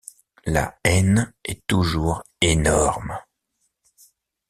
La haine est toujours énorme.